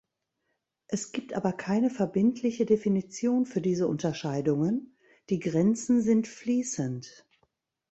Es gibt aber keine verbindliche Definition für diese Unterscheidungen; die Grenzen sind fließend.